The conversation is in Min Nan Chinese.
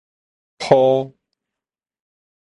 鋪